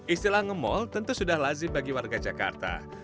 istilah ngemol tentu sudah lazim bagi warga jakarta